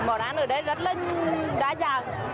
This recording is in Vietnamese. món ăn ở đây rất là đa dạng